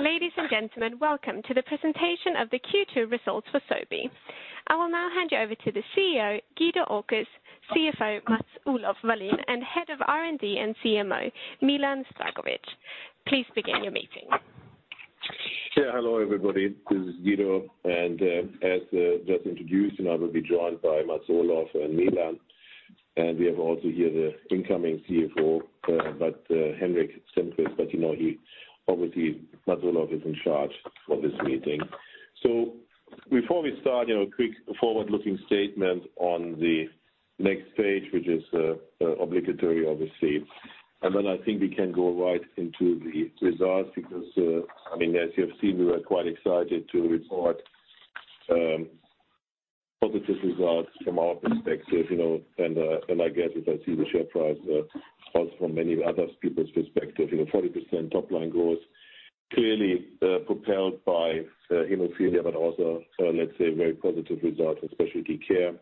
Ladies and gentlemen, welcome to the presentation of the Q2 results for Sobi. I will now hand you over to the CEO, Guido Oelkers, CFO, Mats-Olof Wallin, and Head of R&D and CMO, Milan Zdravkovic. Please begin your meeting. Hello, everybody. This is Guido, as just introduced, I will be joined by Mats-Olof and Milan. We have also here the incoming CFO, Henrik Stenqvist, obviously Mats-Olof is in charge for this meeting. Before we start, a quick forward-looking statement on the next page, which is obligatory, obviously. Then I think we can go right into the results, because as you have seen, we were quite excited to report positive results from our perspective. I guess, as I see the share price, also from many other people's perspective, 40% top-line growth. Clearly propelled by hemophilia, but also, let's say, very positive result in specialty care.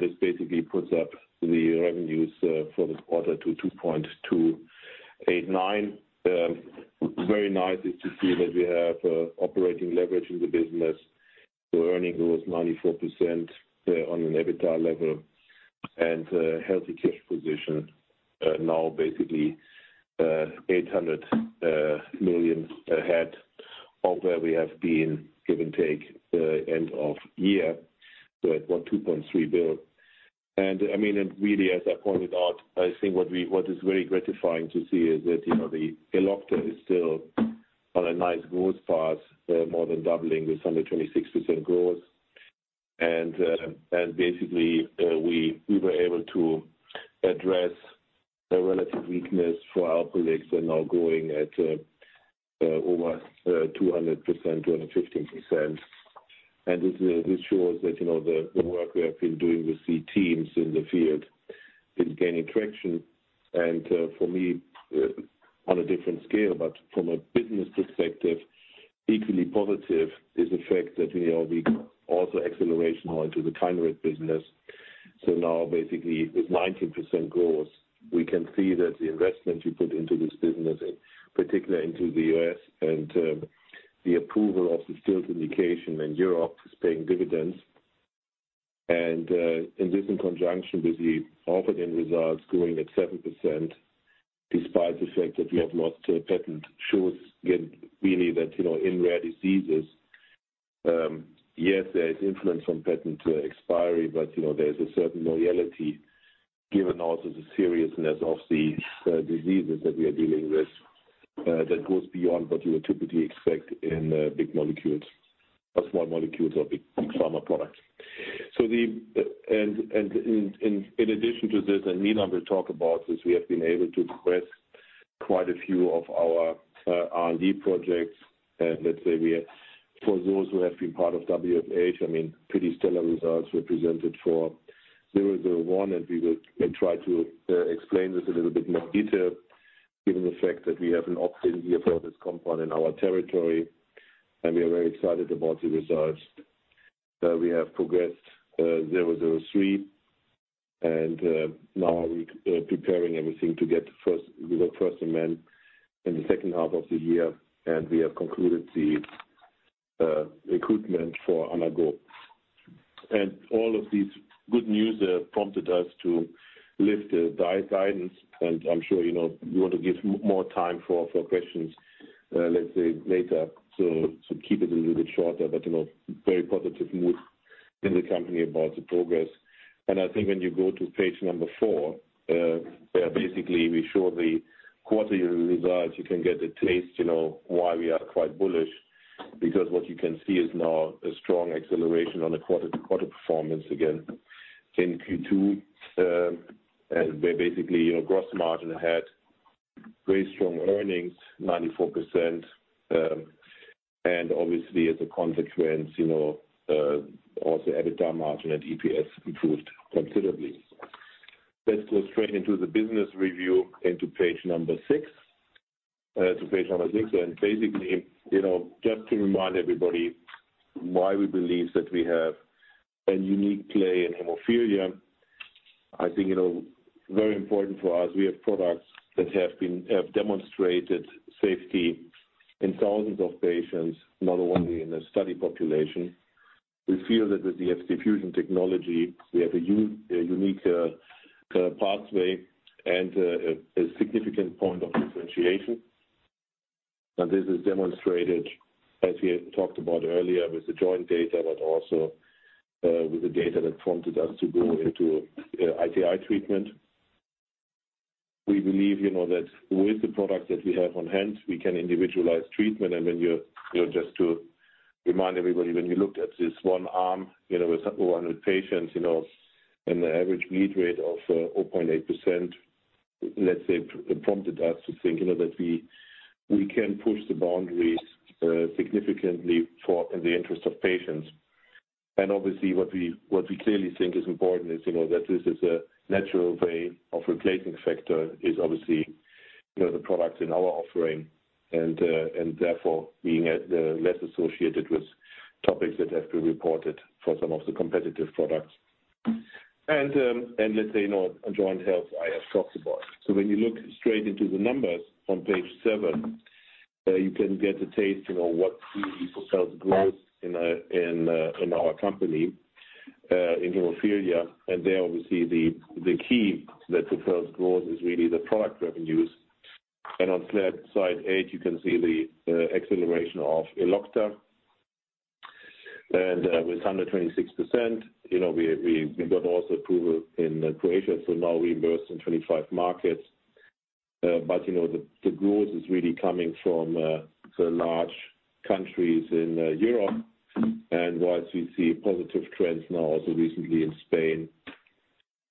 This basically puts up the revenues for this quarter to 2.289. Very nice is to see that we have operating leverage in the business. The earning was 94% on an EBITDA level. Healthy cash position, now basically 800 million ahead of where we have been, give and take, end of year with 2.3 billion. Really, as I pointed out, I think what is very gratifying to see is that the Elocta is still on a nice growth path, more than doubling with 126% growth. Basically, we were able to address the relative weakness for Alprolix and now growing at over 200%, 215%. This shows that the work we have been doing with the teams in the field is gaining traction. For me, on a different scale but from a business perspective, equally positive is the fact that we are also acceleration now into the Kineret business. Now basically with 19% growth, we can see that the investment we put into this business, in particular into the U.S., and the approval of the Still's indication in Europe is paying dividends. This in conjunction with the Orfadin results growing at 7%, despite the fact that we have lost patent, shows really that in rare diseases, yes, there is influence from patent expiry, but there is a certain loyalty given also the seriousness of the diseases that we are dealing with that goes beyond what you would typically expect in big molecules or small molecules or big pharma products. In addition to this, Milan will talk about this, we have been able to progress quite a few of our R&D projects. Let's say for those who have been part of WFH, pretty stellar results were presented for 001. We will try to explain this a little bit more detail given the fact that we have an option here for this compound in our territory, and we are very excited about the results. We have progressed SOBI003, and now we're preparing everything to get the first-in-man in the second half of the year. We have concluded the recruitment for anaGO. All of these good news prompted us to lift the guidance. I'm sure you want to give more time for questions, let's say later, so keep it a little bit shorter. Very positive mood in the company about the progress. I think when you go to page four, where basically we show the quarterly results, you can get a taste why we are quite bullish because what you can see is now a strong acceleration on the quarter-to-quarter performance again in Q2. Where basically, gross margin had very strong earnings, 94%. Obviously as a consequence, also EBITDA margin and EPS improved considerably. Let's go straight into the business review, into page six. Basically, just to remind everybody why we believe that we have a unique play in hemophilia. I think very important for us, we have products that have demonstrated safety in thousands of patients, not only in a study population. We feel that with the Fc fusion technology, we have a unique pathway and a significant point of differentiation. This is demonstrated, as we had talked about earlier, with the joint data but also with the data that prompted us to go into ITI treatment. We believe that with the product that we have on hand, we can individualize treatment. Just to remind everybody, when we looked at this one arm with 100 patients and the average bleed rate of 0.8%, let's say prompted us to think that we can push the boundaries significantly in the interest of patients. Obviously, what we clearly think is important is that this is a natural way of replacing factor is obviously the products in our offering. Therefore, being less associated with topics that have been reported for some of the competitive products. Let's say, joint health, I have talked about. When you look straight into the numbers on page seven, you can get a taste of what really propels growth in our company, in hemophilia. There, obviously, the key that propels growth is really the product revenues. On slide eight, you can see the acceleration of Elocta. With 126%, we got also approval in Croatia, so now reimbursed in 25 markets. The growth is really coming from the large countries in Europe. Whilst we see positive trends now also recently in Spain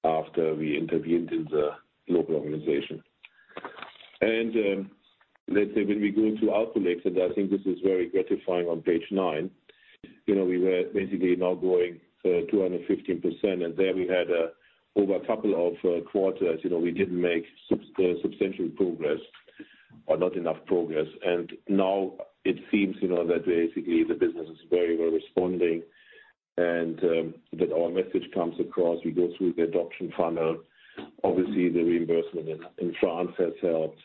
after we intervened in the local organization. Let's say when we go into Alprolix, I think this is very gratifying on page nine. We were basically now growing 215%, there we had over a couple of quarters we didn't make substantial progress or not enough progress. Now it seems that basically the business is very well responding and that our message comes across. We go through the adoption funnel. Obviously, the reimbursement in France has helped.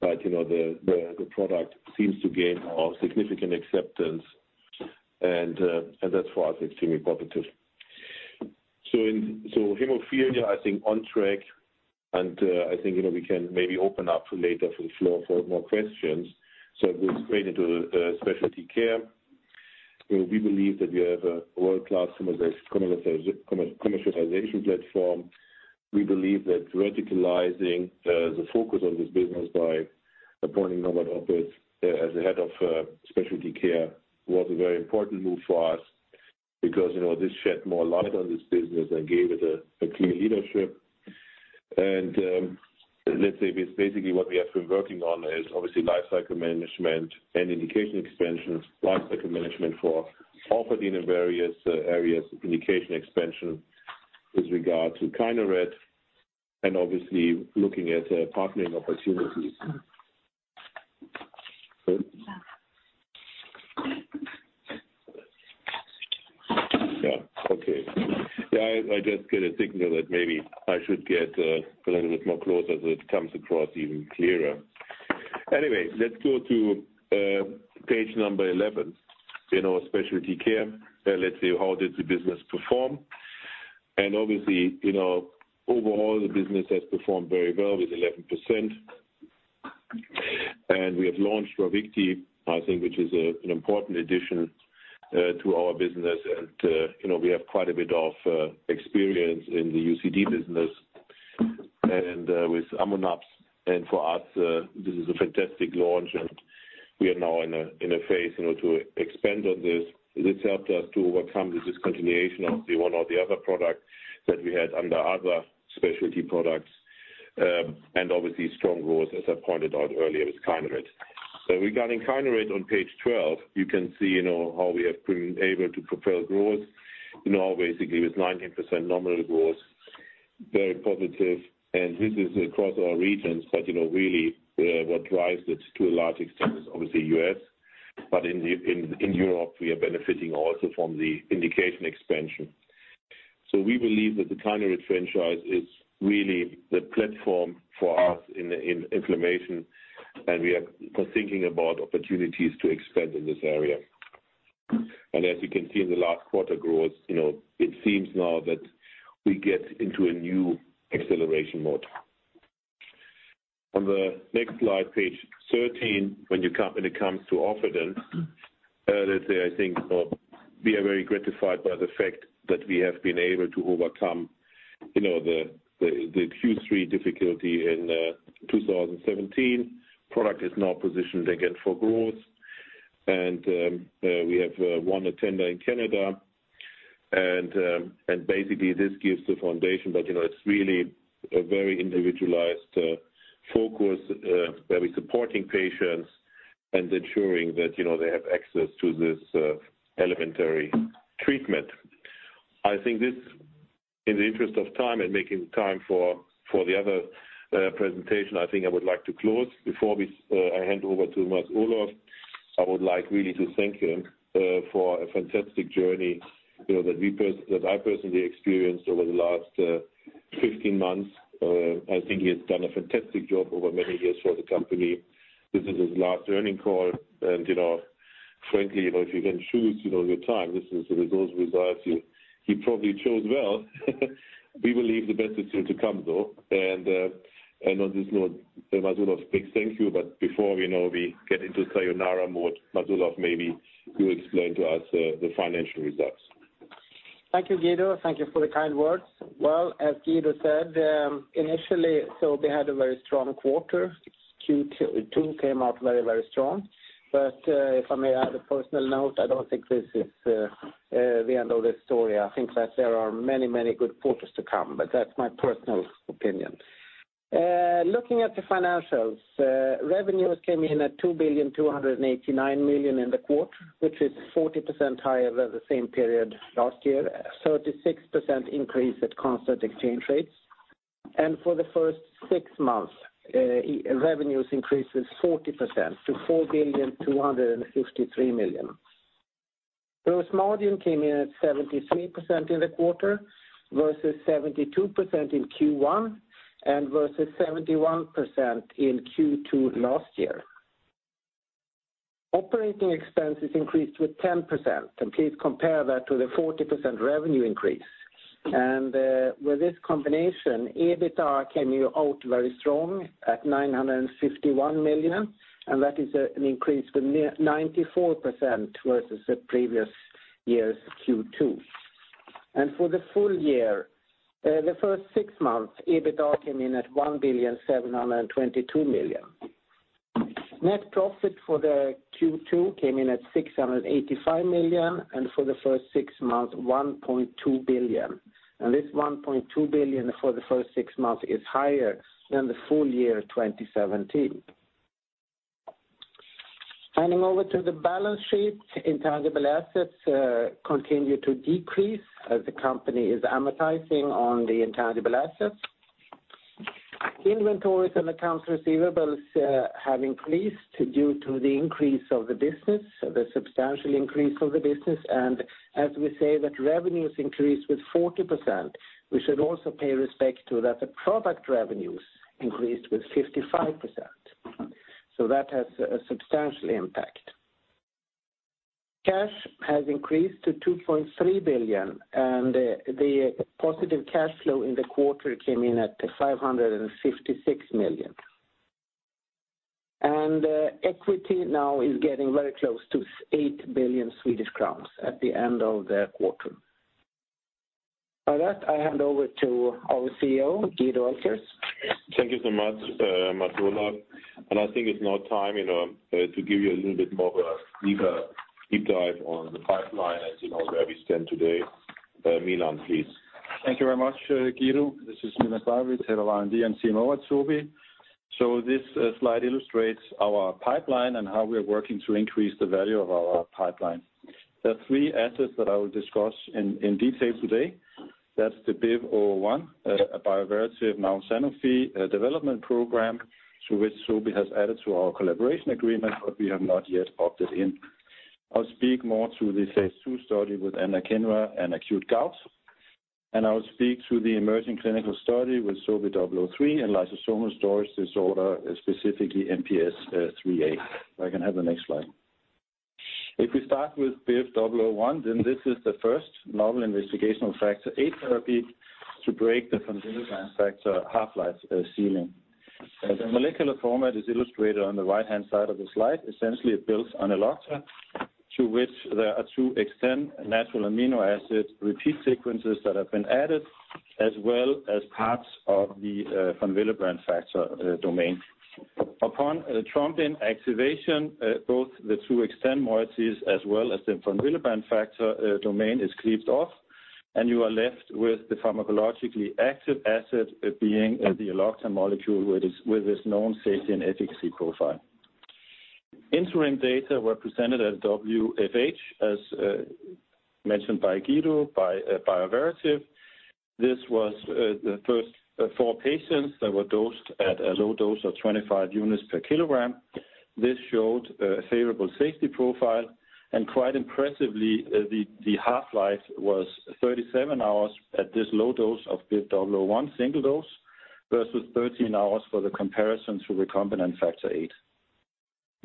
The product seems to gain significant acceptance and that's, for us, extremely positive. Hemophilia, I think, on track and I think we can maybe open up later for the floor for more questions. Going straight into Specialty Care. We believe that we have a world-class commercialization platform. We believe that radicalizing the focus of this business by appointing Norbert Oppitz as the head of Specialty Care was a very important move for us because this shed more light on this business and gave it a clear leadership. Let's say what we have been working on is lifecycle management and indication expansions. Lifecycle management for Orfadin in various areas of indication expansion with regard to Kineret and looking at partnering opportunities. Yeah. Okay. Yeah, I just get a signal that maybe I should get a little bit closer so it comes across even clearer. Anyway, let's go to page 11 in our Specialty Care. Let's see, how did the business perform? Overall the business has performed very well with 11%. We have launched RAVICTI, I think, which is an important addition to our business. We have quite a bit of experience in the UCD business and with Ammonaps. For us, this is a fantastic launch, and we are now in a phase to expand on this. This helped us to overcome the discontinuation of the one or the other product that we had under other specialty products. Strong growth, as I pointed out earlier, with Kineret. Regarding Kineret on page 12, you can see how we have been able to propel growth basically with 19% nominal growth, very positive. This is across our regions, but really what drives it to a large extent is U.S. In Europe, we are benefiting also from the indication expansion. We believe that the Kineret franchise is really the platform for us in inflammation, and we are thinking about opportunities to expand in this area. As you can see in the last quarter growth, it seems now that we get into a new acceleration mode. On the next slide, page 13, when it comes to Orfadin, let's say, I think we are very gratified by the fact that we have been able to overcome the Q3 difficulty in 2017. Product is now positioned again for growth. We have won a tender in Canada and basically this gives the foundation, but it's really a very individualized focus where we're supporting patients and ensuring that they have access to this elementary treatment. I think this, in the interest of time and making time for the other presentation, I think I would like to close. Before I hand over to Mats-Olof, I would like really to thank him for a fantastic journey that I personally experienced over the last 15 months. I think he has done a fantastic job over many years for the company. This is his last earning call. Frankly, if you can choose your time, this is the results we desire to. He probably chose well. We believe the best is still to come, though. On this note, Mats-Olof, big thank you. Before we get into sayonara mode, Mats-Olof maybe you explain to us the financial results. Thank you, Guido. Thank you for the kind words. Well, as Guido said, initially, Sobi had a very strong quarter. Q2 came out very strong. If I may add a personal note, I don't think this is the end of the story. I think that there are many good quarters to come, but that's my personal opinion. Looking at the financials, revenues came in at 2,289 million in the quarter, which is 40% higher than the same period last year. 36% increase at constant exchange rates. For the first six months, revenues increased with 40% to 4,253 million. Gross margin came in at 73% in the quarter versus 72% in Q1 and versus 71% in Q2 last year. Operating expenses increased with 10%, please compare that to the 40% revenue increase. With this combination, EBITDA came out very strong at 951 million, that is an increase with 94% versus the previous year's Q2. For the full year, the first six months, EBITDA came in at 1,722 million. Net profit for the Q2 came in at 685 million, for the first six months, 1.2 billion. This 1.2 billion for the first six months is higher than the full year 2017. Turning over to the balance sheet, intangible assets continue to decrease as the company is amortizing on the intangible assets. Inventories and accounts receivables have increased due to the increase of the business, the substantial increase of the business. As we say that revenues increased with 40%, we should also pay respect to that the product revenues increased with 55%. That has a substantial impact. Cash has increased to 2.3 billion, the positive cash flow in the quarter came in at 556 million. Equity now is getting very close to 8 billion Swedish crowns at the end of the quarter. With that, I hand over to our CEO, Guido Oelkers. Thank you so much, Mats-Olof. I think it's now time to give you a little bit more of a deeper deep dive on the pipeline as you know where we stand today. Milan, please. Thank you very much, Guido. This is Milan Zdravkovic, Head of R&D and CMO at Sobi. This slide illustrates our pipeline and how we are working to increase the value of our pipeline. There are three assets that I will discuss in detail today. That's the BIVV001, a Bioverativ now Sanofi development program, through which Sobi has added to our collaboration agreement, but we have not yet opted in. I'll speak more to the phase II study with anakinra in acute gout, and I'll speak to the emerging clinical study with SOBI003 in lysosomal storage disorder, specifically MPS IIIA. If I can have the next slide. Essentially, it builds on Elocta, to which there are two XTEND natural amino acids repeat sequences that have been added, as well as parts of the von Willebrand factor domain. Upon thrombin activation, both the two XTEND moieties, as well as the von Willebrand factor domain is cleaved off, and you are left with the pharmacologically active asset being the Elocta molecule with its known safety and efficacy profile. Interim data were presented at WFH, as mentioned by Guido, by Bioverativ. This was the first four patients that were dosed at a low dose of 25 units per kilogram. This showed a favorable safety profile, and quite impressively, the half-life was 37 hours at this low dose of BIVV001 single dose versus 13 hours for the comparison to recombinant factor VIII.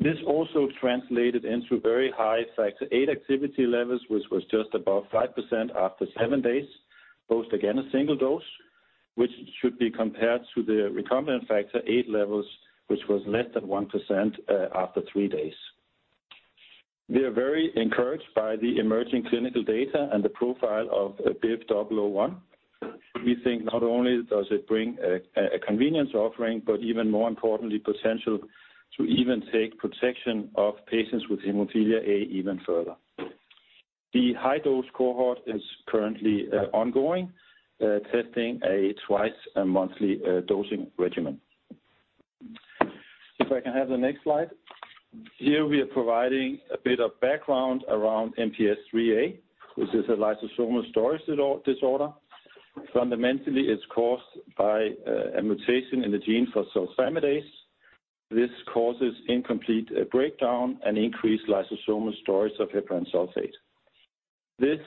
This also translated into very high factor VIII activity levels, which was just above 5% after seven days. Both, again, a single dose, which should be compared to the recombinant factor VIII levels, which was less than 1% after three days. We are very encouraged by the emerging clinical data and the profile of BIVV001. We think not only does it bring a convenience offering, but even more importantly, potential to even take protection of patients with hemophilia A even further. The high-dose cohort is currently ongoing, testing a twice monthly dosing regimen. If I can have the next slide. Here we are providing a bit of background around MPS IIIA, which is a lysosomal storage disorder. Fundamentally, it's caused by a mutation in the gene for sulfamidase. This causes incomplete breakdown and increased lysosomal storage of heparan sulfate. This,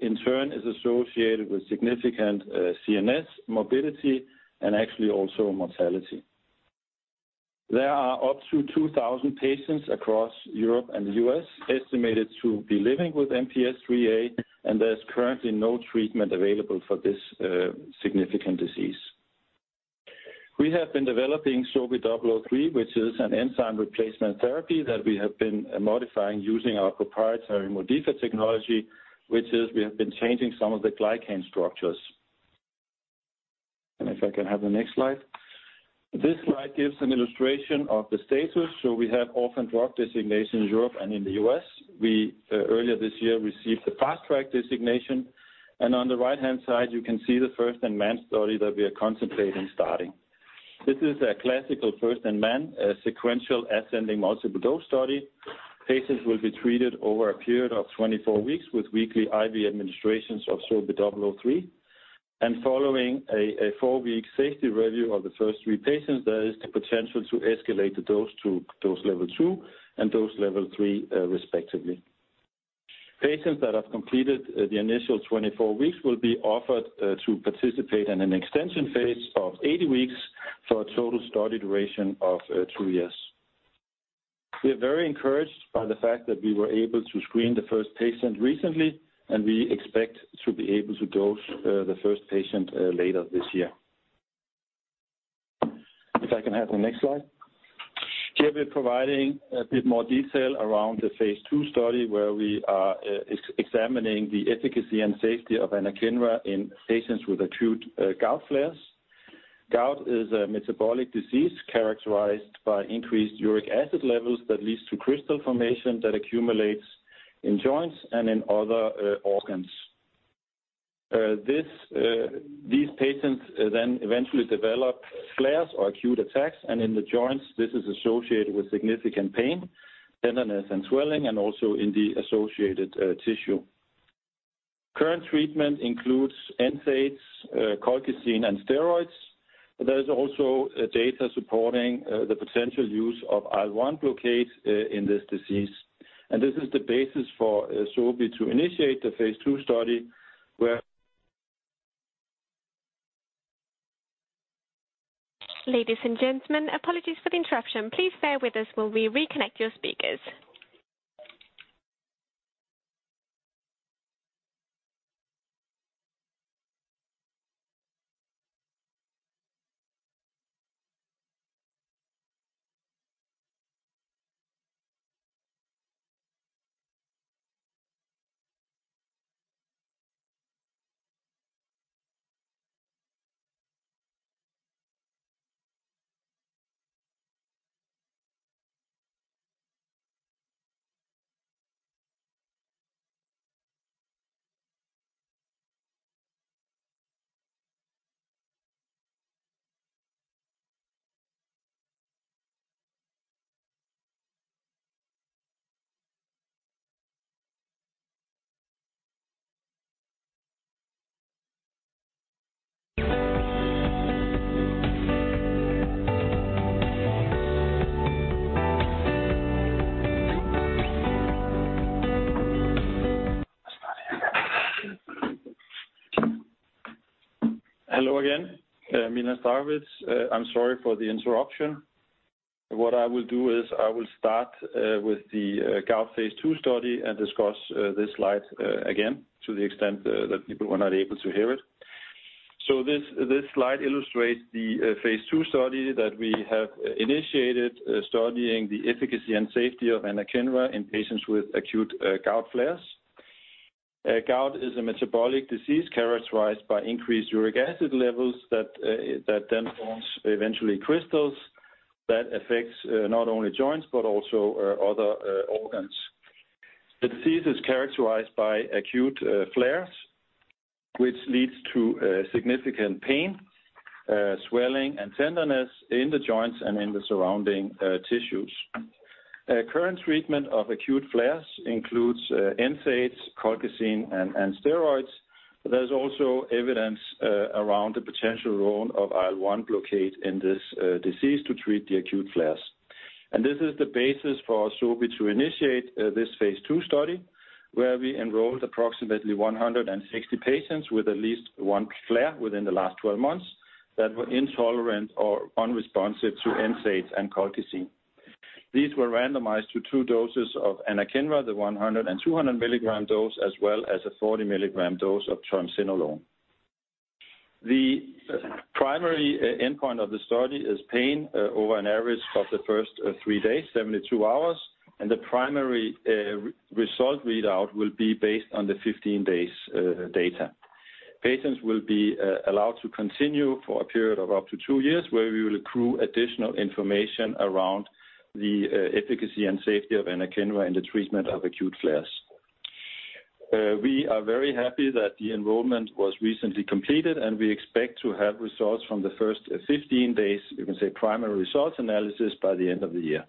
in turn, is associated with significant CNS morbidity and actually also mortality. There are up to 2,000 patients across Europe and the U.S. estimated to be living with MPS IIIA, and there's currently no treatment available for this significant disease. We have been developing SOBI003, which is an enzyme replacement therapy that we have been modifying using our proprietary MODiFA technology, which is we have been changing some of the glycan structures. If I can have the next slide. This slide gives an illustration of the status. We have orphan drug designation in Europe and in the U.S. We, earlier this year, received the Fast Track designation, and on the right-hand side, you can see the first-in-man study that we are concentrating starting. This is a classical first-in-man, a sequential ascending multiple dose study. Patients will be treated over a period of 24 weeks with weekly IV administrations of SOBI003. Following a 4-week safety review of the first three patients, there is the potential to escalate the dose to dose level 2 and dose level 3, respectively. Patients that have completed the initial 24 weeks will be offered to participate in an extension phase of 80 weeks, for a total study duration of two years. We are very encouraged by the fact that we were able to screen the first patient recently, and we expect to be able to dose the first patient later this year. If I can have the next slide. Here we're providing a bit more detail around the phase II study, where we are examining the efficacy and safety of anakinra in patients with acute gout flares. Gout is a metabolic disease characterized by increased uric acid levels that leads to crystal formation that accumulates in joints and in other organs. These patients then eventually develop flares or acute attacks, and in the joints, this is associated with significant pain, tenderness, and swelling, and also in the associated tissue. Current treatment includes NSAIDs, colchicine, and steroids. There is also data supporting the potential use of IL-1 blockade in this disease. This is the basis for Sobi to initiate the phase II study where- Ladies and gentlemen, apologies for the interruption. Please bear with us while we reconnect your speakers. Hello again. Milan Zdrakovic. I'm sorry for the interruption. What I will do is I will start with the gout phase II study and discuss this slide again, to the extent that people were not able to hear it. This slide illustrates the phase II study that we have initiated, studying the efficacy and safety of anakinra in patients with acute gout flares. Gout is a metabolic disease characterized by increased uric acid levels that then forms eventually crystals that affects not only joints but also other organs. The disease is characterized by acute flares, which leads to significant pain, swelling, and tenderness in the joints and in the surrounding tissues. Current treatment of acute flares includes NSAIDs, colchicine, and steroids. There's also evidence around the potential role of IL-1 blockade in this disease to treat the acute flares. This is the basis for Sobi to initiate this phase II study, where we enrolled approximately 160 patients with at least one flare within the last 12 months that were intolerant or unresponsive to NSAIDs and colchicine. These were randomized to two doses of anakinra, the 100 and 200 milligram dose, as well as a 40 milligram dose of colchicine. The primary endpoint of the study is pain over an average of the first three days, 72 hours, and the primary result readout will be based on the 15 days data. Patients will be allowed to continue for a period of up to two years, where we will accrue additional information around the efficacy and safety of anakinra in the treatment of acute flares. We are very happy that the enrollment was recently completed. We expect to have results from the first 15 days, you can say primary results analysis, by the end of the year.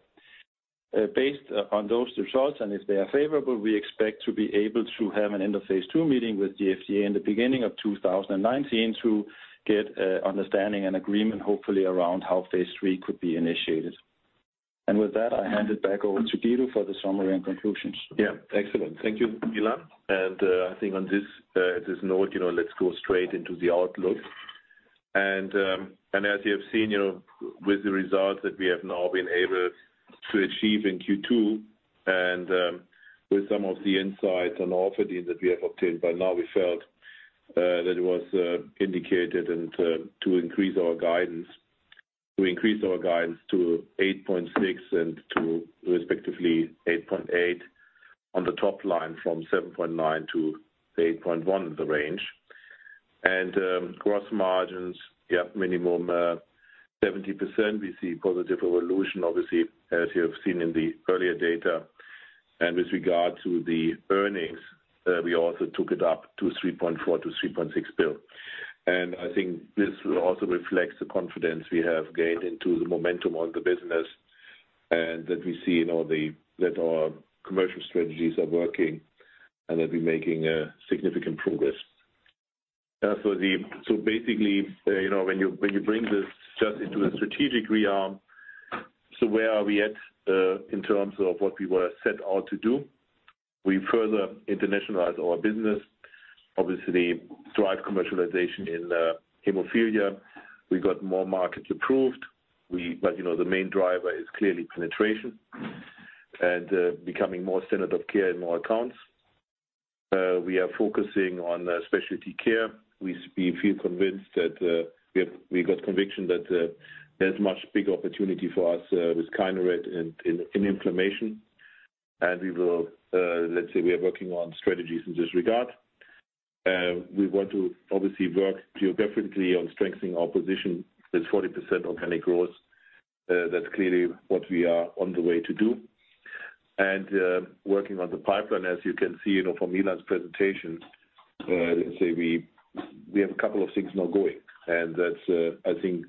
Based upon those results, if they are favorable, we expect to be able to have an end of phase II meeting with the FDA in the beginning of 2019 to get understanding and agreement, hopefully around how phase III could be initiated. With that, I hand it back over to Guido for the summary and conclusions. Excellent. Thank you, Milan. I think on this note, let's go straight into the outlook. As you have seen, with the results that we have now been able to achieve in Q2, with some of the insights on Orfadin that we have obtained by now, we felt that it was indicated to increase our guidance to 8.6 billion-8.8 billion on the top line from 7.9 billion-8.1 billion the range. Gross margins, minimum 70%. We see positive evolution, obviously, as you have seen in the earlier data. With regard to the earnings, we also took it up to 3.4 billion-3.6 billion. I think this also reflects the confidence we have gained into the momentum on the business, and that we see that our commercial strategies are working and that we're making significant progress. Basically, when you bring this just into a strategic rearm, where are we at in terms of what we were set out to do? We further internationalized our business, obviously drive commercialization in hemophilia. We got more markets approved. The main driver is clearly penetration and becoming more standard of care in more accounts. We are focusing on Specialty Care. We feel convinced that we have got conviction that there's much bigger opportunity for us with Kineret in inflammation. Let's say we are working on strategies in this regard. We want to obviously work geographically on strengthening our position with 40% organic growth. That's clearly what we are on the way to do. Working on the pipeline, as you can see from Eun Yang's presentation, we have a couple of things now going, and that is, I think,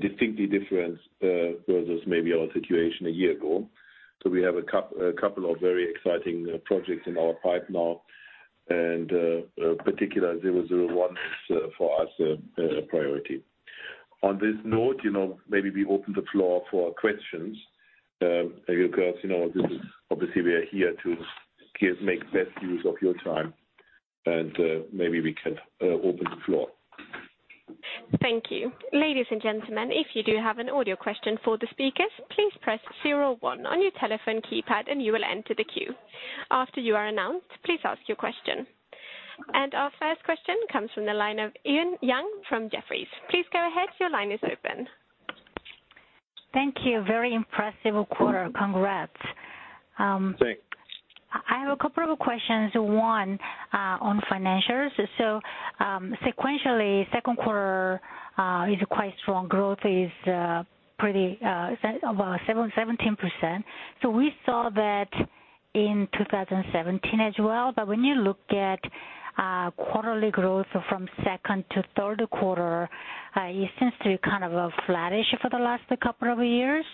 distinctly different versus maybe our situation a year ago. We have a couple of very exciting projects in our pipeline, and particularly 001 is for us a priority. On this note, maybe we open the floor for questions. Obviously we are here to make best use of your time, and maybe we can open the floor. Thank you. Ladies and gentlemen, if you do have an audio question for the speakers, please press zero one on your telephone keypad and you will enter the queue. After you are announced, please ask your question. Our first question comes from the line of Eun Yang from Jefferies. Please go ahead. Your line is open. Thank you. Very impressive quarter. Congrats. Thanks. I have a couple of questions. One, on financials. Sequentially, second quarter is quite strong. Growth is about 17%. We saw that in 2017 as well. When you look at quarterly growth from second to third quarter, it seems to be kind of flattish for the last couple of years.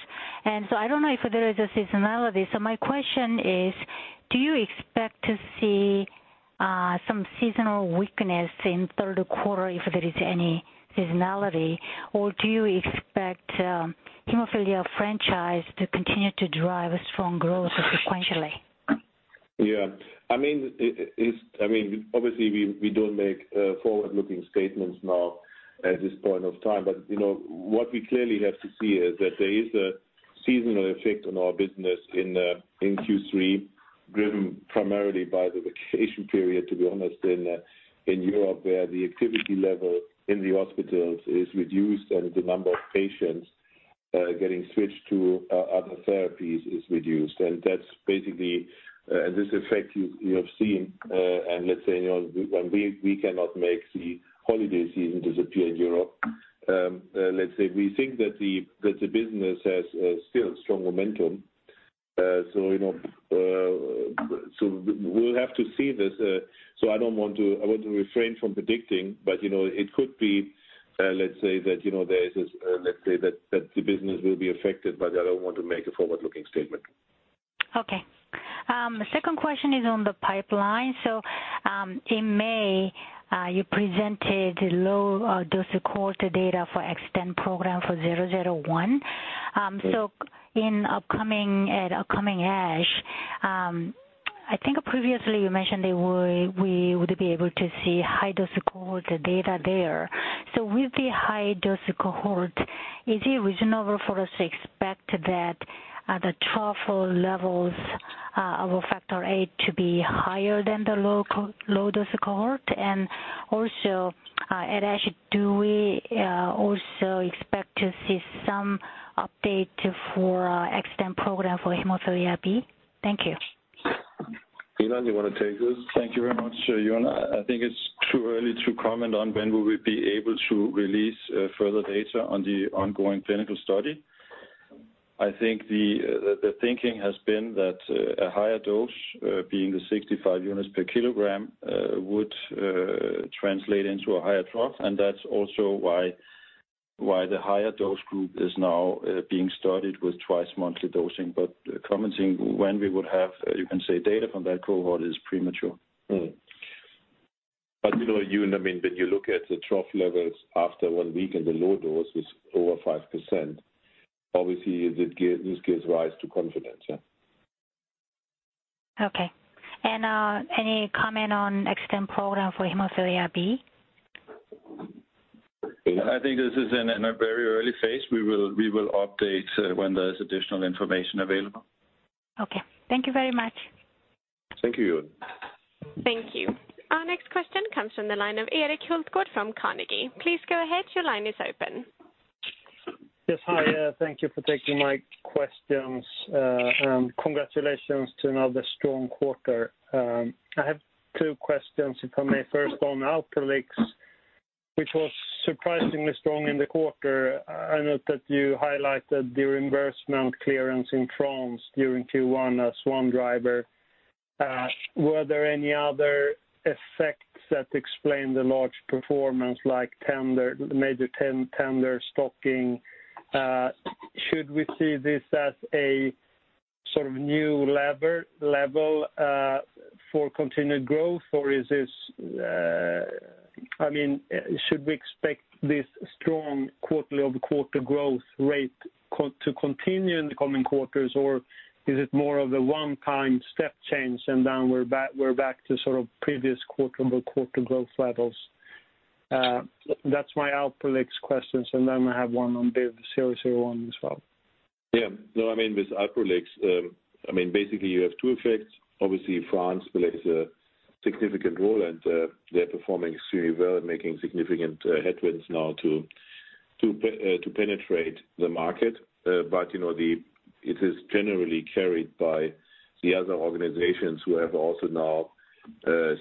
I do not know if there is a seasonality. My question is, do you expect to see some seasonal weakness in third quarter if there is any seasonality, or do you expect hemophilia franchise to continue to drive strong growth sequentially? Yeah. Obviously, we do not make forward-looking statements now at this point of time. What we clearly have to see is that there is a seasonal effect on our business in Q3, driven primarily by the vacation period, to be honest, in Europe, where the activity level in the hospitals is reduced and the number of patients getting switched to other therapies is reduced. That is basically this effect you have seen. We cannot make the holiday season disappear in Europe. Let's say we think that the business has still strong momentum. We will have to see this. I want to refrain from predicting, but it could be, let's say, that the business will be affected, but I do not want to make a forward-looking statement. Okay. Second question is on the pipeline. In May, you presented low-dose cohort data for XTEND program for 001. In upcoming ASH, I think previously you mentioned we would be able to see high-dose cohort data there. With the high-dose cohort, is it reasonable for us to expect that the trough levels of factor VIII to be higher than the low-dose cohort? Also, at ASH, do we also expect to see some update for XTEND program for hemophilia B? Thank you. Eun, you want to take this? Thank you very much, Eun. I think it is too early to comment on when we will be able to release further data on the ongoing clinical study. I think the thinking has been that a higher dose, being the 65 units per kilogram, would translate into a higher trough, and that is also why the higher dose group is now being studied with twice-monthly dosing. Commenting when we would have, you can say, data from that cohort is premature. Eun, when you look at the trough levels after one week in the low dose was over 5%, obviously this gives rise to confidence, yeah. Okay. Any comment on XTEND program for hemophilia B? Eun? I think this is in a very early phase. We will update when there is additional information available. Okay. Thank you very much. Thank you, Eun. Thank you. Our next question comes from the line of Erik Hultgård from Carnegie. Please go ahead. Your line is open. Yes. Hi. Thank you for taking my questions. Congratulations to another strong quarter. I have two questions, if I may. First, on Alprolix, which was surprisingly strong in the quarter. I note that you highlighted the reimbursement clearance in France during Q1 as one driver. Were there any other effects that explain the large performance, like major tender stocking? Should we see this as a sort of new level for continued growth? Or should we expect this strong quarterly-over-quarter growth rate to continue in the coming quarters, or is it more of a one-time step change and then we're back to previous quarter-over-quarter growth levels? That's my Alprolix questions, and then I have one on BIVV001 as well. No, with Alprolix, basically you have two effects. Obviously, France plays a significant role, and they're performing extremely well and making significant headwinds now to penetrate the market. It is generally carried by the other organizations who have also now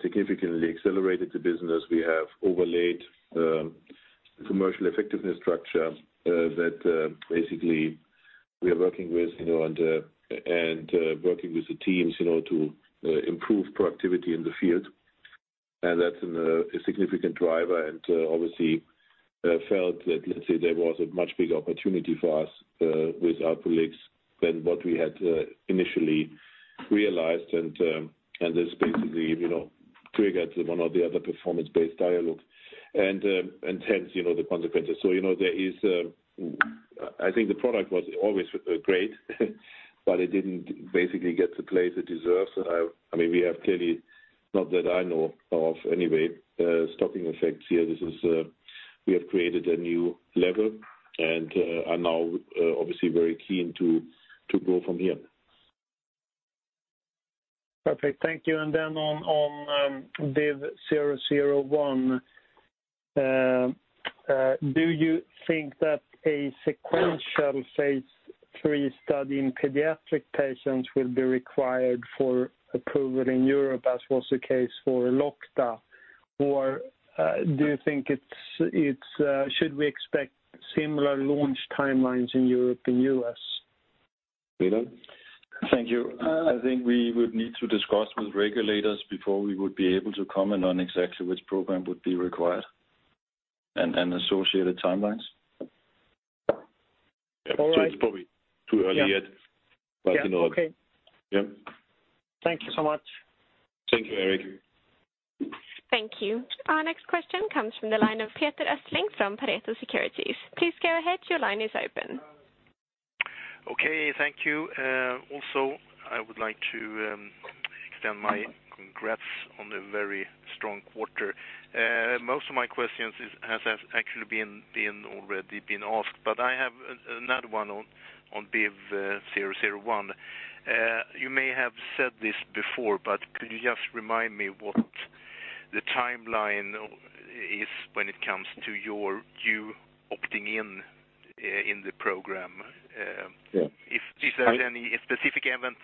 significantly accelerated the business. We have overlaid the commercial effectiveness structure that basically we are working with and working with the teams to improve productivity in the field. That's a significant driver and obviously felt that, let's say, there was a much bigger opportunity for us with Alprolix than what we had initially realized. This basically triggered one or the other performance-based dialogue and hence the consequences. I think the product was always great but it didn't basically get the play it deserves. We have clearly, not that I know of anyway, stocking effects here. We have created a new level and are now obviously very keen to go from here. Perfect. Thank you. Then on BIVV001, do you think that a sequential phase III study in pediatric patients will be required for approval in Europe, as was the case for Elocta? Should we expect similar launch timelines in Europe and U.S.? Peter? Thank you. I think we would need to discuss with regulators before we would be able to comment on exactly which program would be required and associated timelines. All right. Yeah. It's probably too early yet. Yeah. Okay. Yeah. Thank you so much. Thank you, Erik. Thank you. Our next question comes from the line of Peter Östling from Pareto Securities. Please go ahead. Your line is open. Okay. Thank you. I would like to extend my congrats on a very strong quarter. Most of my questions has actually already been asked, I have another one on BIVV001. You may have said this before, but could you just remind me what the timeline is when it comes to you opting in in the program? Yeah. Is there any specific event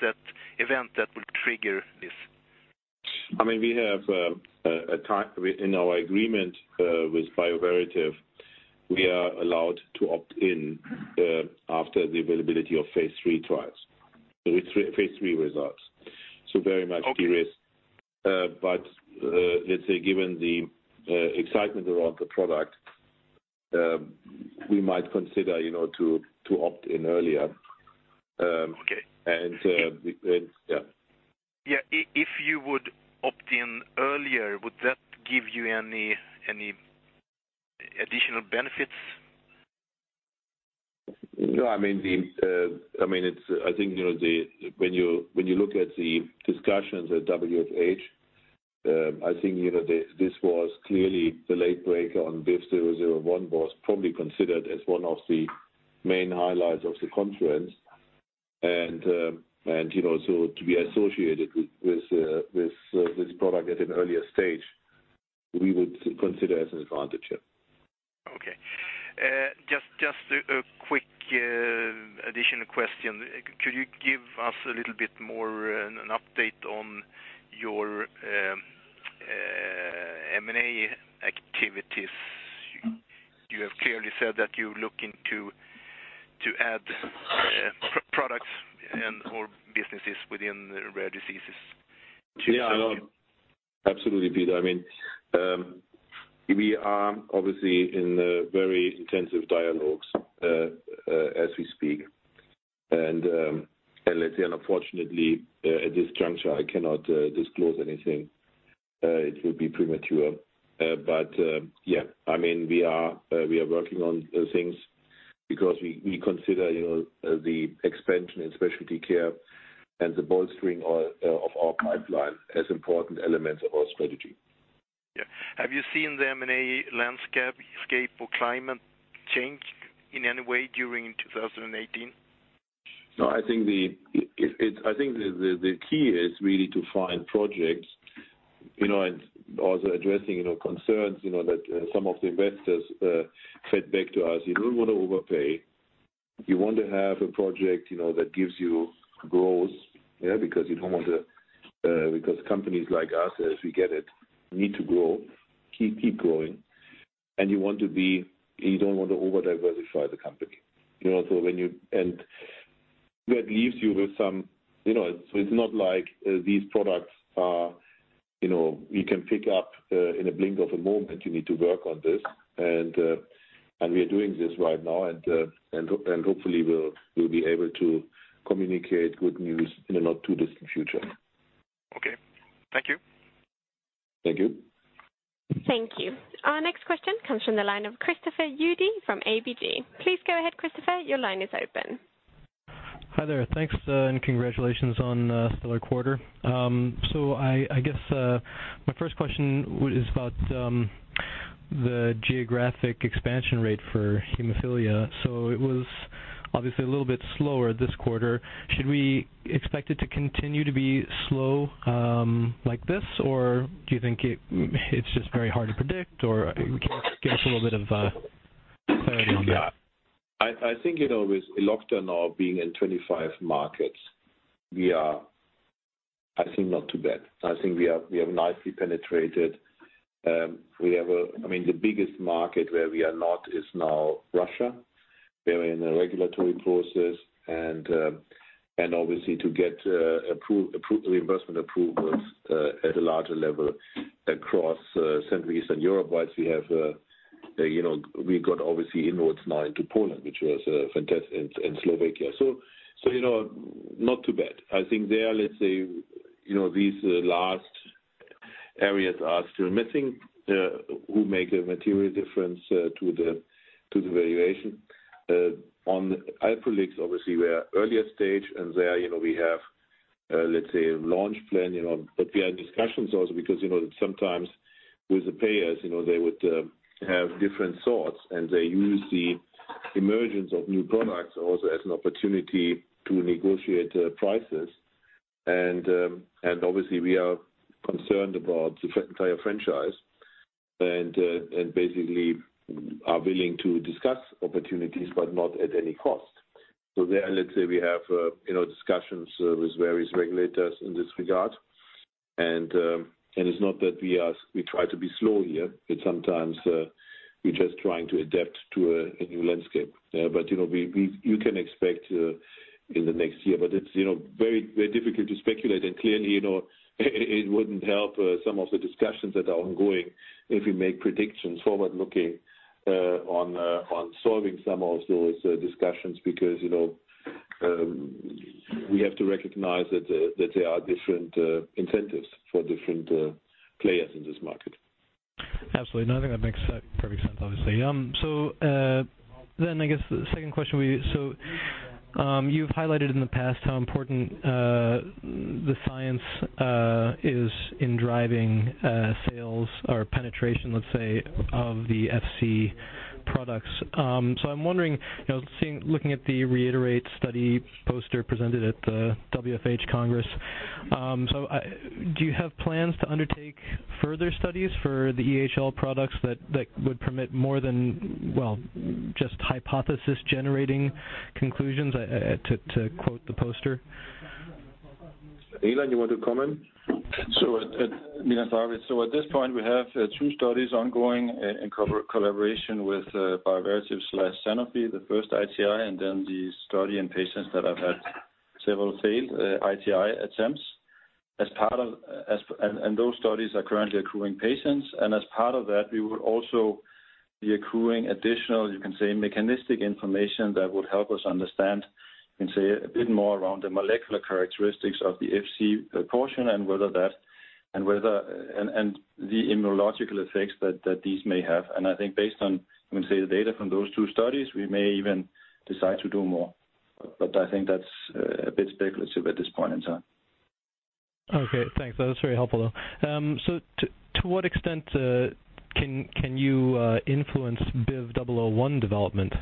that would trigger this? In our agreement with Bioverativ, we are allowed to opt in after the availability of phase III trials, phase III results. Very much de-risk. Okay. Let's say given the excitement around the product, we might consider to opt in earlier. Okay. Yeah. Yeah. If you would opt in earlier, would that give you any additional benefits? I think when you look at the discussions at WFH, I think the late breaker on BIVV001 was probably considered as one of the main highlights of the conference. To be associated with this product at an earlier stage, we would consider as an advantage, yeah. Okay. Just a quick additional question. Could you give us a little bit more an update on your M&A activities? You have clearly said that you're looking to add products and/or businesses within rare diseases. Absolutely, Peter. We are obviously in very intensive dialogues as we speak. Let's say, unfortunately, at this juncture, I cannot disclose anything. It would be premature. We are working on things because we consider the expansion in specialty care and the bolstering of our pipeline as important elements of our strategy. Yeah. Have you seen the M&A landscape or climate change in any way during 2018? No, I think the key is really to find projects and also addressing concerns that some of the investors fed back to us. We don't want to overpay. You want to have a project that gives you growth, because companies like us, as we get it, need to grow, keep growing. You don't want to over-diversify the company. It's not like these products we can pick up in a blink of a moment, you need to work on this. We are doing this right now, and hopefully we'll be able to communicate good news in a not too distant future. Okay. Thank you. Thank you. Thank you. Our next question comes from the line of Christopher Udy from ABG. Please go ahead, Christopher, your line is open. Hi there. Thanks. Congratulations on a stellar quarter. I guess my first question is about the geographic expansion rate for hemophilia. It was obviously a little bit slower this quarter. Should we expect it to continue to be slow like this, or do you think it's just very hard to predict, or can you give us a little bit of clarity on that? I think, with Elocta now being in 25 markets, we are, I think, not too bad. I think we have nicely penetrated. The biggest market where we are not is now Russia. We are in a regulatory process and obviously to get reimbursement approvals at a larger level across Central Eastern Europe. Whilst we got obviously inwards now into Poland and Slovakia. Not too bad. I think there, let's say, these last areas are still missing, who make a material difference to the valuation. On Alprolix, obviously, we are earlier stage and there we have a launch plan. We are in discussions also because sometimes with the payers, they would have different thoughts, and they use the emergence of new products also as an opportunity to negotiate prices. Obviously we are concerned about the entire franchise. Basically are willing to discuss opportunities, but not at any cost. There, let's say, we have discussions with various regulators in this regard. It's not that we try to be slow here, but sometimes we're just trying to adapt to a new landscape. You can expect in the next year, but it's very difficult to speculate. Clearly, it wouldn't help some of the discussions that are ongoing if we make predictions forward-looking on solving some of those discussions because we have to recognize that there are different incentives for different players in this market. Absolutely. I think that makes perfect sense, obviously. I guess the second question. You've highlighted in the past how important the science is in driving sales or penetration, let's say, of the Fc products. I'm wondering, looking at the REITERATE study poster presented at the WFH Congress, do you have plans to undertake further studies for the EHL products that would permit more than just hypothesis-generating conclusions, to quote the poster? Milan, you want to comment? Sure. At this point, we have two studies ongoing in collaboration with Bioverativ/Sanofi, the first ITI and then the study in patients that have had several failed ITI attempts. Those studies are currently accruing patients. As part of that, we will also be accruing additional, you can say, mechanistic information that would help us understand a bit more around the molecular characteristics of the Fc portion and the immunological effects that these may have. I think based on the data from those two studies, we may even decide to do more. I think that's a bit speculative at this point in time. Okay, thanks. That was very helpful, though. To what extent can you influence BIVV001 development?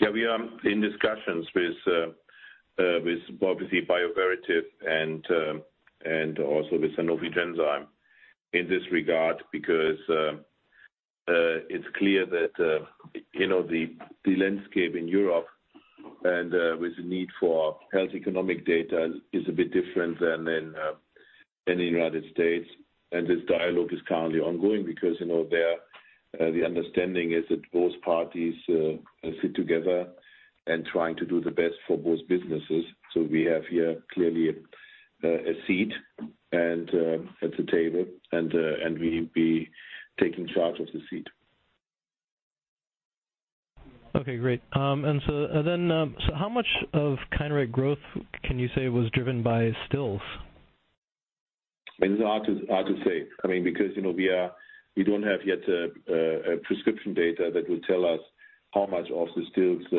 We are in discussions with obviously Bioverativ and also with Sanofi Genzyme in this regard because it's clear that the landscape in Europe and with the need for health economic data is a bit different than in the U.S. This dialogue is currently ongoing because there the understanding is that both parties sit together and trying to do the best for both businesses. We have here clearly a seat at the table and we'll be taking charge of the seat. Okay, great. How much of Kineret growth can you say was driven by Still's? It is hard to say. We don't have yet a prescription data that will tell us how much of the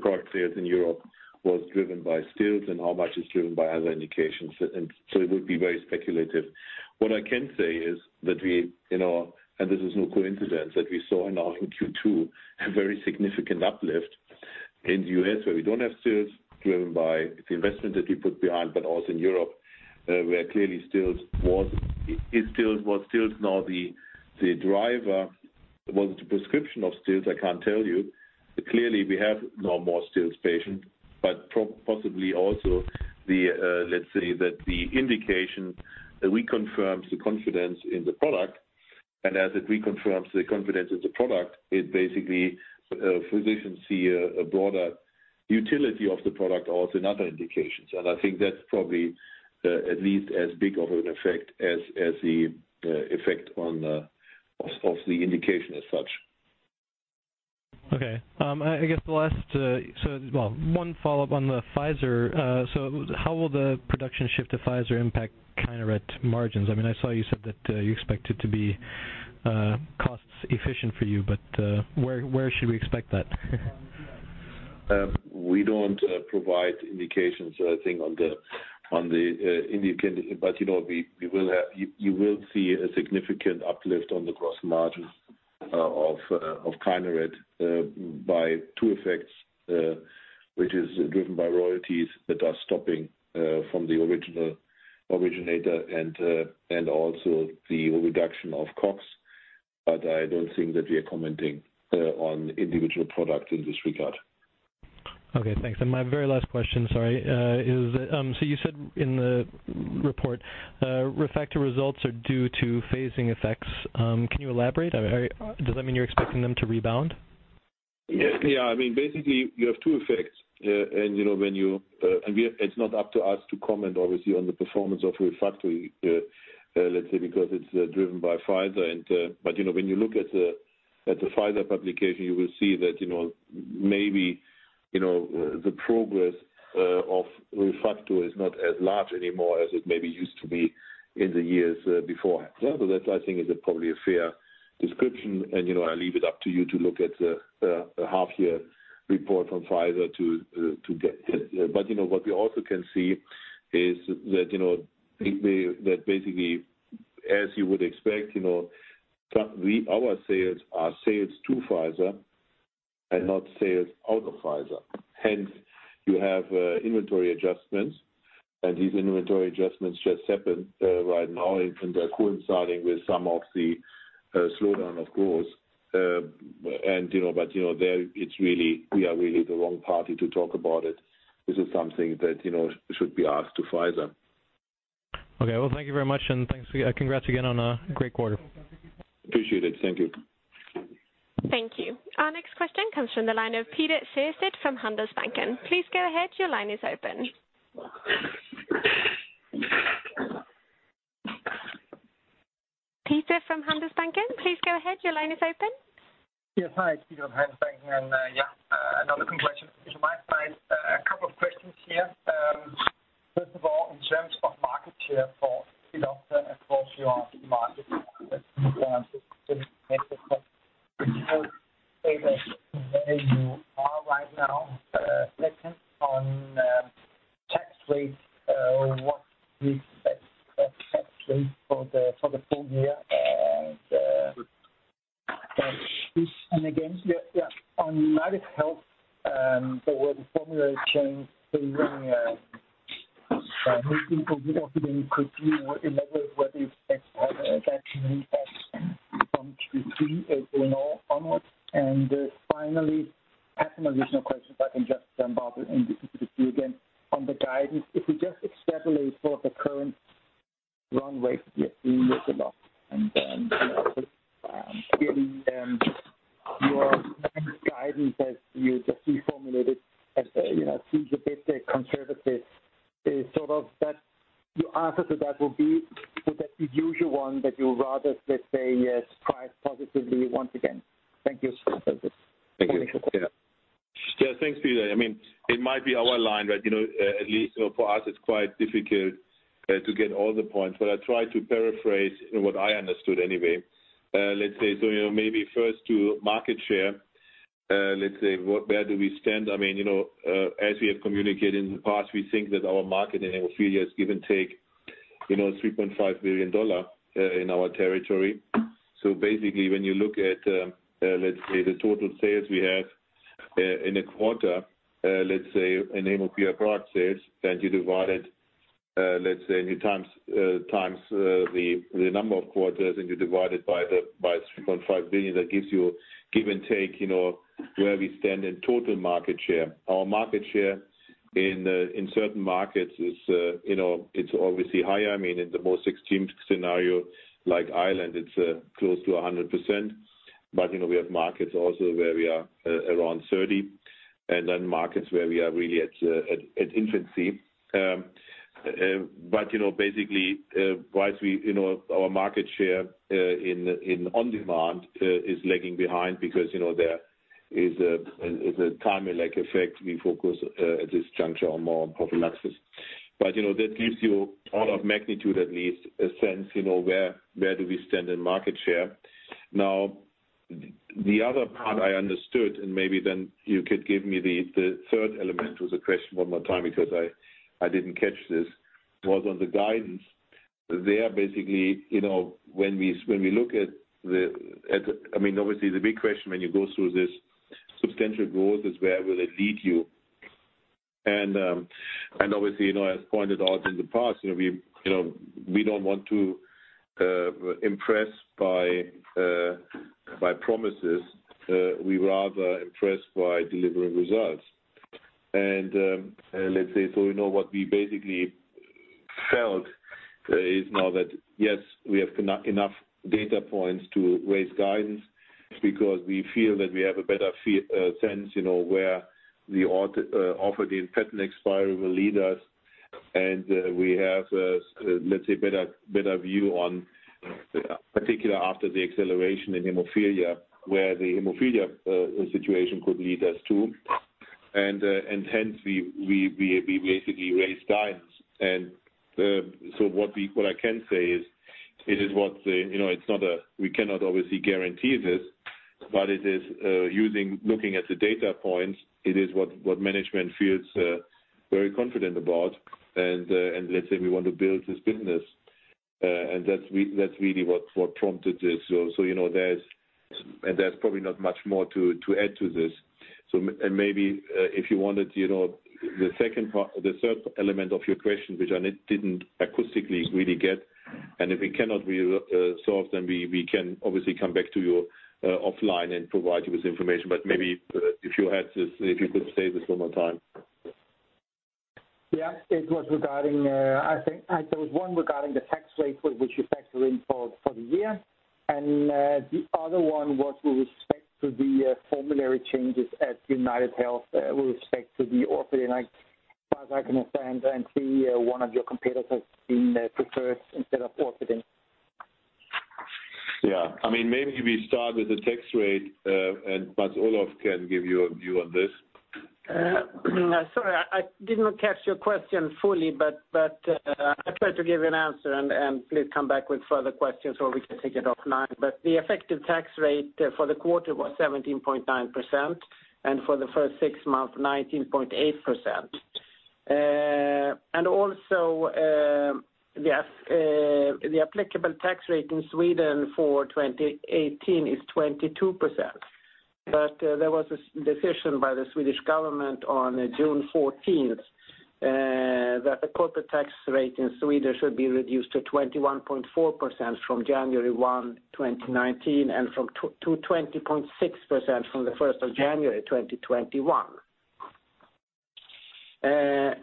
product sales in Europe was driven by Still's and how much is driven by other indications. It would be very speculative. What I can say is that we, and this is no coincidence, that we saw now in Q2 a very significant uplift in the U.S., where we don't have sales driven by the investment that we put behind, but also in Europe where clearly was sales, now the driver was the prescription of sales, I can't tell you. We have no more sales patient, but possibly also, let's say that the indication reconfirms the confidence in the product, and as it reconfirms the confidence in the product, it basically physicians see a broader utility of the product also in other indications. I think that's probably at least as big of an effect as the effect of the indication as such. Okay. I guess one follow-up on the Pfizer. How will the production shift to Pfizer impact Kineret margins? I saw you said that you expect it to be cost-efficient for you, but where should we expect that? We don't provide indications, I think, on the indication. You will see a significant uplift on the gross margins of Kineret by two effects, which is driven by royalties that are stopping from the originator, and also the reduction of COGS. I don't think that we are commenting on individual products in this regard. Okay, thanks. My very last question, sorry, you said in the report ReFacto results are due to phasing effects. Can you elaborate? Does that mean you're expecting them to rebound? Basically, you have two effects and it's not up to us to comment, obviously, on the performance of ReFacto, let's say, because it's driven by Pfizer. When you look at the Pfizer publication, you will see that maybe the progress of ReFacto is not as large anymore as it maybe used to be in the years beforehand. That, I think, is probably a fair description, and I leave it up to you to look at the half-year report from Pfizer to get it. What we also can see is that basically, as you would expect, our sales are sales to Pfizer and not sales out of Pfizer. Hence, you have inventory adjustments, and these inventory adjustments just happen right now, and they're coinciding with some of the slowdown, of course. We are really the wrong party to talk about it. This is something that should be asked to Pfizer. Well, thank you very much, congrats again on a great quarter. Appreciate it. Thank you. Thank you. Our next question comes from the line of Peter Järrup from Handelsbanken. Please go ahead, your line is open. Peter from Handelsbanken, please go ahead, your line is open. Yes. Hi, it's Peter from Handelsbanken. Another complex one this time. A couple of questions here. First of all, in terms of market share for Elocta across your markets where you are right now. Second, on tax rate, what is the best tax rate for the full year and again, on [marriage health] the formula change could you elaborate whether that has that impact from Q3 at all on it? Finally, I have some additional questions if I can just jump on with you again. On the guidance, if we just extrapolate sort of the current runway that we have seen with Elocta and then your guidance as you just reformulated as seems a bit conservative. Sort of that your answer to that would be, would that be usual one that you rather, let's say, surprise positively once again? Thank you. Thank you. Yeah. Thanks, Peter. It might be our line, but at least for us it's quite difficult to get all the points, but I try to paraphrase what I understood anyway. Let's say, maybe first to market share. Let's say, where do we stand? As we have communicated in the past, we think that our market in hemophilia is give and take, $3.5 billion in our territory. Basically, when you look at, let's say the total sales we have in a quarter, let's say in hemophilia growth sales, then you divide it, let's say you times the number of quarters, and you divide it by $3.5 billion, that gives you give and take, where we stand in total market share. Our market share in certain markets it's obviously higher. In the most extreme scenario, like Ireland, it's close to 100%. We have markets also where we are around 30, and then markets where we are really at infancy. Basically our market share in on-demand is lagging behind because there is a timing effect. We focus at this juncture on more prophylaxis. That gives you all of magnitude at least a sense, where do we stand in market share. Now, the other part I understood, and maybe then you could give me the third element to the question one more time, because I didn't catch this, was on the guidance. They are basically, obviously the big question when you go through this substantial growth is where will it lead you? Obviously, as pointed out in the past, we don't want to impress by promises. We rather impress by delivering results. We know what we basically felt is now that yes, we have enough data points to raise guidance because we feel that we have a better sense where the Orfadin patent expiry will lead us. We have a better view on, particular after the acceleration in hemophilia, where the hemophilia situation could lead us to. We basically raised guidance. What I can say is, we cannot obviously guarantee this, but it is looking at the data points, it is what management feels very confident about. We want to build this business, and that's really what prompted this. There's probably not much more to add to this. Maybe, if you wanted, the third element of your question, which I didn't acoustically really get, and if we cannot resolve, then we can obviously come back to you offline and provide you with information. Maybe if you could say this one more time. It was one regarding the tax rate, which you factor in for the year. The other one was with respect to the formulary changes at UnitedHealth with respect to the Orfadin. As far as I can understand and see one of your competitors has been preferred instead of Orfadin. Maybe we start with the tax rate, Mats-Olof can give you a view on this. Sorry, I did not catch your question fully, but I'll try to give you an answer and please come back with further questions or we can take it offline. The effective tax rate for the quarter was 17.9%, and for the first six months, 19.8%. The applicable tax rate in Sweden for 2018 is 22%. There was a decision by the Swedish government on June 14th that the corporate tax rate in Sweden should be reduced to 21.4% from January 1, 2019, and to 20.6% from the 1st of January 2021.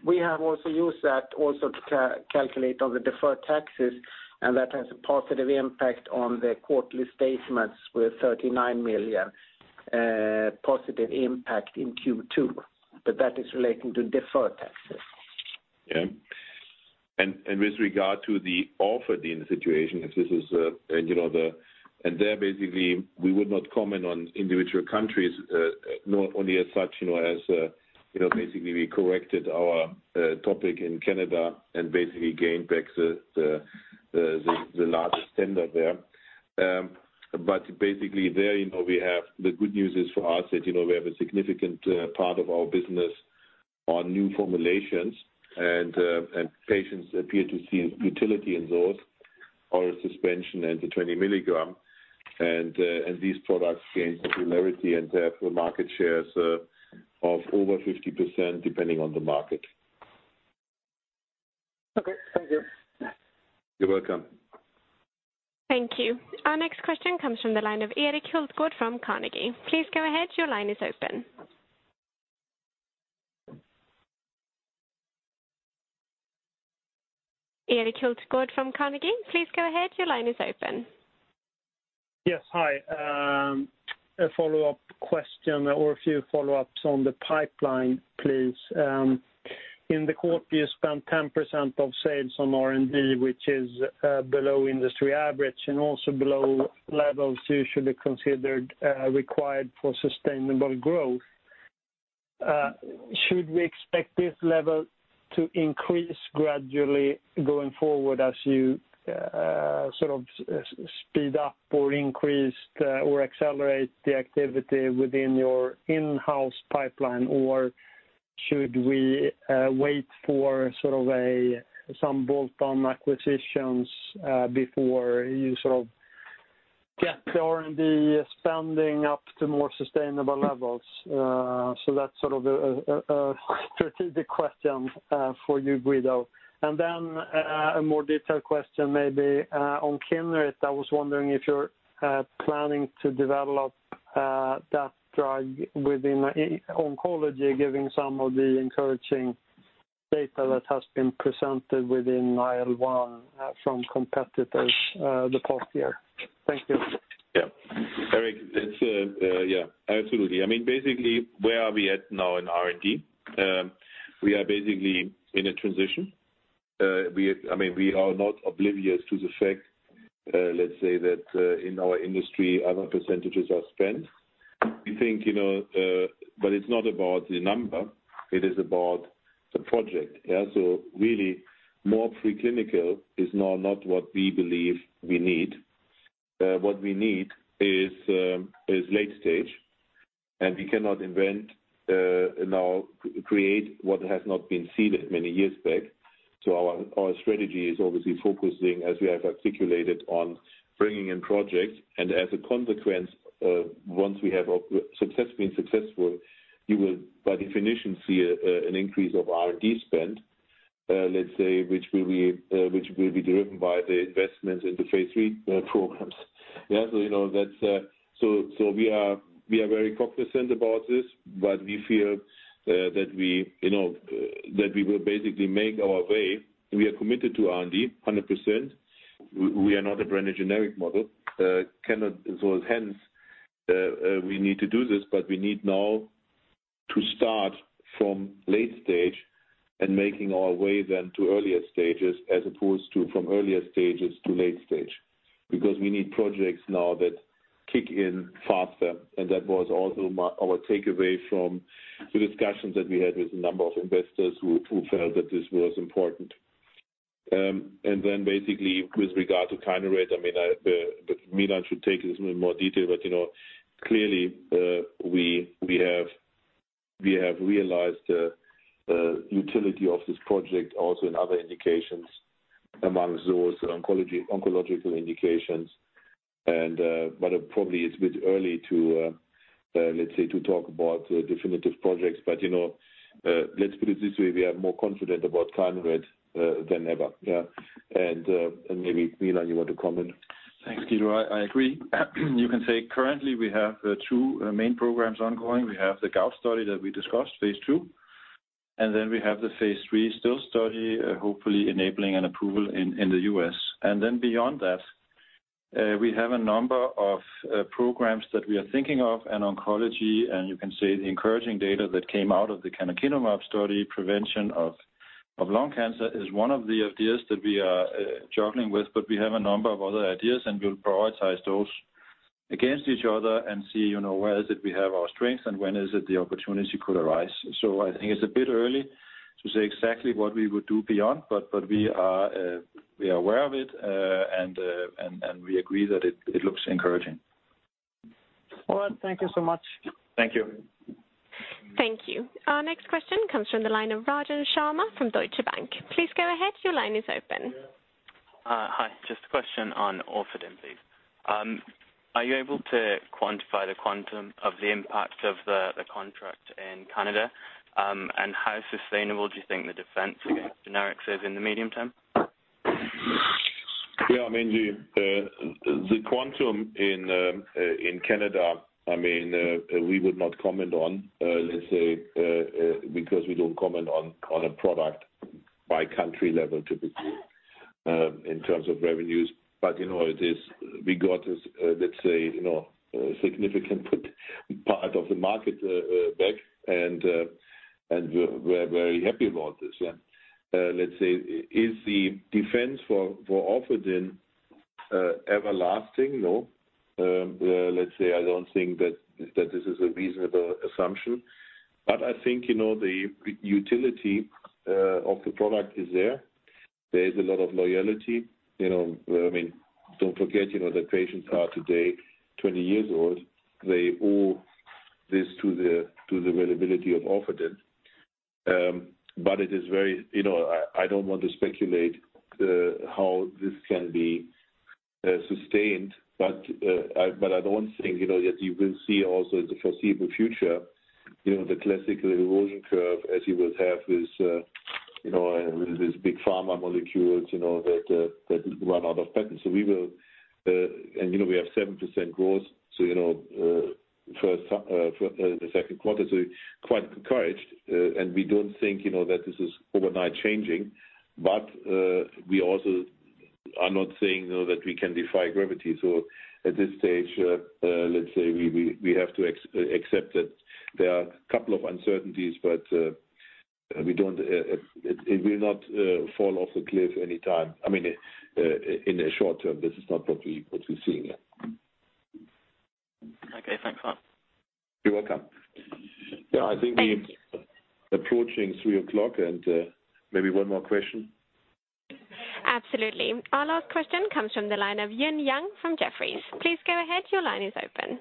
We have also used that also to calculate all the deferred taxes, and that has a positive impact on the quarterly statements with 39 million positive impact in Q2, but that is relating to deferred taxes. Yeah. With regard to the Orfadin situation, we would not comment on individual countries. Not only as such, as basically we corrected our topic in Canada and basically gained back the largest tender there. The good news is for us that we have a significant part of our business on new formulations and patients appear to see utility in those, oral suspension and the 20 milligram. These products gain popularity and have market shares of over 50% depending on the market. Okay. Thank you. You're welcome. Thank you. Our next question comes from the line of Erik Hultgård from Carnegie. Please go ahead, your line is open. Erik Hultgård from Carnegie, please go ahead, your line is open. Yes. Hi. A follow-up question or a few follow-ups on the pipeline, please. In the quarter, you spent 10% of sales on R&D, which is below industry average and also below levels usually considered required for sustainable growth. Should we expect this level to increase gradually going forward as you sort of speed up or increase or accelerate the activity within your in-house pipeline? Or should we wait for some bolt-on acquisitions before you sort of get the R&D spending up to more sustainable levels? That's sort of a strategic question for you, Guido. Then a more detailed question maybe on Kineret. I was wondering if you're planning to develop that drug within oncology, given some of the encouraging data that has been presented within IL-1 from competitors the past year. Thank you. Yeah. Erik, absolutely. Basically, where are we at now in R&D? We are basically in a transition. We are not oblivious to the fact, let's say that in our industry, other percentages are spent. We think but it's not about the number, it is about the project. Really, more pre-clinical is now not what we believe we need. What we need is late stage. And we cannot invent now, create what has not been seeded many years back. Our strategy is obviously focusing, as we have articulated, on bringing in projects. As a consequence, once we have been successful, you will by definition see an increase of R&D spend, let's say, which will be driven by the investments into phase III programs. We are very cognizant about this, but we feel that we will basically make our way. We are committed to R&D 100%. We are not a brand generic model. We need to do this, but we need now to start from late stage and making our way then to earlier stages as opposed to from earlier stages to late stage. We need projects now that kick in faster, and that was also our takeaway from the discussions that we had with a number of investors who felt that this was important. Then basically with regard to Kineret, Milan should take this in more detail, but clearly we have realized the utility of this project also in other indications among those oncological indications. Probably it's a bit early to talk about definitive projects. Let's put it this way, we are more confident about Kineret than ever. Maybe, Milan, you want to comment? Thanks, Guido. I agree. You can say currently we have two main programs ongoing. We have the gout study that we discussed, phase II, and we have the phase III Still's study, hopefully enabling an approval in the U.S. Beyond that, we have a number of programs that we are thinking of in oncology, and you can see the encouraging data that came out of the canakinumab study. Prevention of lung cancer is one of the ideas that we are juggling with, we have a number of other ideas, and we'll prioritize those against each other and see where is it we have our strengths and when is it the opportunity could arise. I think it's a bit early to say exactly what we would do beyond, but we are aware of it, and we agree that it looks encouraging. All right. Thank you so much. Thank you. Thank you. Our next question comes from the line of Rajan Sharma from Deutsche Bank. Please go ahead. Your line is open. Hi. Just a question on Orfadin, please. Are you able to quantify the quantum of the impact of the contract in Canada, and how sustainable do you think the defense against generics is in the medium term? Yeah, the quantum in Canada, we would not comment on, let's say, because we don't comment on a product by country level typically in terms of revenues. We got, let's say, significant part of the market back, and we're very happy about this. Let's say, is the defense for Orfadin everlasting? No. Let's say I don't think that this is a reasonable assumption. I think, the utility of the product is there. There is a lot of loyalty. Don't forget, the patients are today 20 years old. They owe this to the availability of Orfadin. I don't want to speculate how this can be sustained. I don't think that you will see also in the foreseeable future, the classical erosion curve as you will have with these big pharma molecules that run out of patent. We have 7% growth for the second quarter, so quite encouraged. We don't think that this is overnight changing. We also are not saying that we can defy gravity. At this stage, let's say we have to accept that there are a couple of uncertainties, but it will not fall off a cliff anytime in the short term. This is not what we're seeing. Okay. Thanks a lot. You're welcome. Thank you. Approaching three o'clock, and maybe one more question. Absolutely. Our last question comes from the line of Eun Yang from Jefferies. Please go ahead. Your line is open.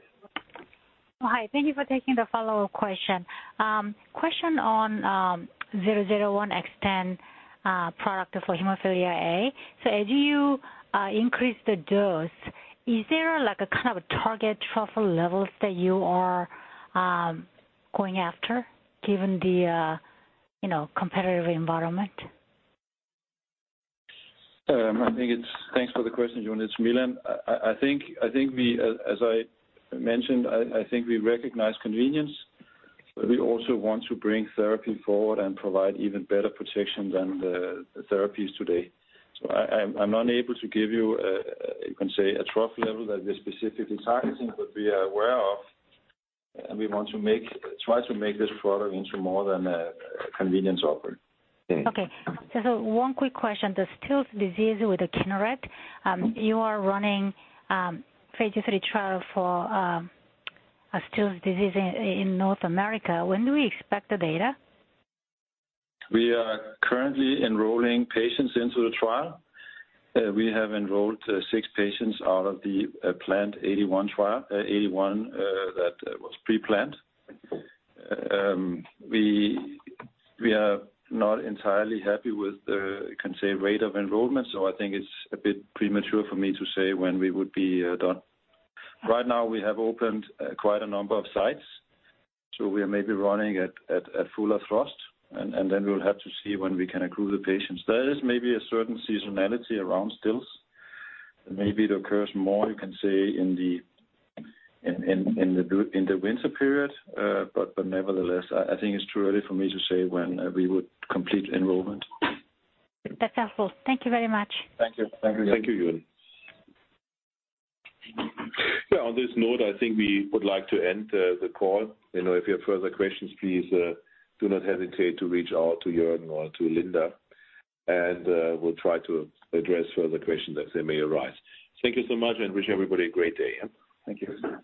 Hi. Thank you for taking the follow-up question. Question on BIVV001 product for hemophilia A. As you increase the dose, is there a kind of a target trough levels that you are going after given the competitive environment? Thanks for the question, Eun. It's Milan. As I mentioned, I think we recognize convenience, but we also want to bring therapy forward and provide even better protection than the therapies today. I'm not able to give you a trough level that we're specifically targeting, but we are aware of, and we want to try to make this product into more than a convenience offer. Okay. One quick question. The Still's disease with the Kineret. You are running phase III trial for Still's disease in North America. When do we expect the data? We are currently enrolling patients into the trial. We have enrolled six patients out of the planned 81 that was pre-planned. We are not entirely happy with the rate of enrollment, I think it's a bit premature for me to say when we would be done. Right now, we have opened quite a number of sites, we are maybe running at fuller thrust, and then we'll have to see when we can accrue the patients. There is maybe a certain seasonality around Still's. Maybe it occurs more in the winter period. Nevertheless, I think it's too early for me to say when we would complete enrollment. That's helpful. Thank you very much. Thank you. Thank you, Eun. On this note, I think we would like to end the call. If you have further questions, please do not hesitate to reach out to Jörgen or to Linda, and we'll try to address further questions as they may arise. Thank you so much, and wish everybody a great day. Thank you.